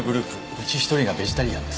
うち１人がベジタリアンです。